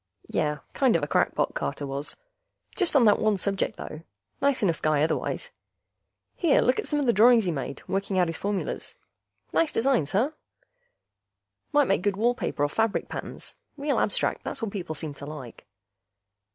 Yeh, kind of a crackpot, Carter was. Just on that one subject, though; nice enough guy otherwise. Here, look at some of the drawings he made, working out his formulas. Nice designs, huh? Might make good wall paper or fabric patterns. Real abstract ... that's what people seem to like.